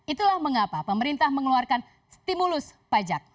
itulah mengapa pemerintah mengeluarkan stimulus pajak